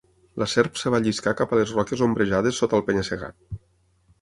La serp es va lliscar cap a les roques ombrejades sota el penya-segat.